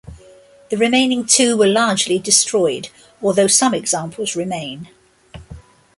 The remaining two were largely destroyed, although some examples remain.